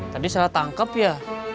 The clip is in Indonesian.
tadi salah tangkep ya